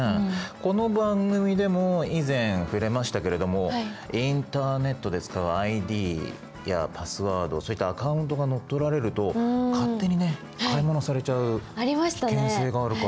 この番組でも以前触れましたけれどもインターネットで使うＩＤやパスワードそういったアカウントが乗っ取られると勝手にね買い物されちゃう危険性があるから。